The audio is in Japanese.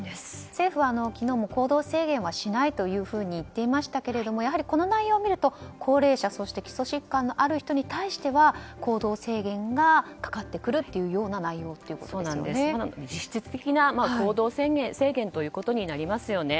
政府は昨日も行動制限はしないといっていましたがやはりこの内容を見ると高齢者基礎疾患のある人に対しては行動制限がかかってくるというような実質的な行動制限ということになりますよね。